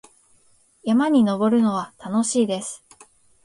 山に登るのは楽しいです。